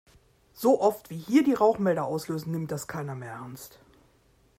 So oft, wie hier die Rauchmelder auslösen, nimmt das keiner mehr ernst.